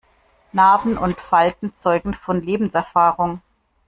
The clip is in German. Narben und Falten zeugen von Lebenserfahrung.